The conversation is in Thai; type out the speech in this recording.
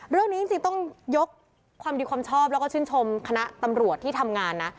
เรื่องนี้จริงต้องยกความดีความชอบแล้วก็ชื่นชมคณะตำรวจที่ทำงานนะ